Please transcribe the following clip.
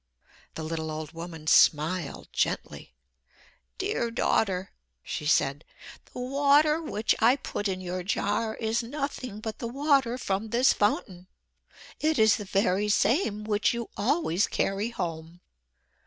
The little old woman smiled gently. "Dear daughter," she said, "the water which I put in your jar is nothing but the water from this fountain. It is the very same which you always carry home.